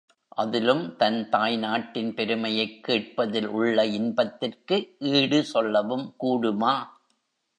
அதிலும் தன் தாய் நாட்டின் பெருமையைக் கேட்பதில் உள்ள இன்பத்திற்கு ஈடு சொல்லவும் கூடுமா?